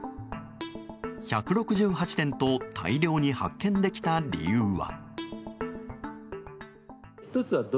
１６８点と大量に発見できた理由は。